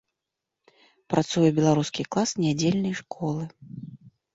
Працуе беларускі клас нядзельнай школы.